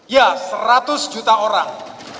ya seratus juta orang